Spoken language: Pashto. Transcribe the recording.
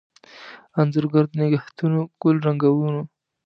انځورګر دنګهتونوګل رنګونو